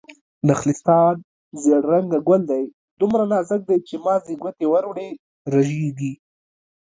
نخلستان: زيړ رنګه ګل دی، دومره نازک دی چې مازې ګوتې ور وړې رژيږي